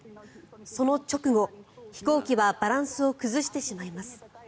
その直後、飛行機はバランスを崩してしまいます。